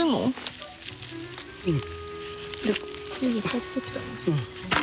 うん。